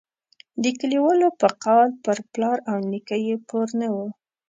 د کلیوالو په قول پر پلار او نیکه یې پور نه وو.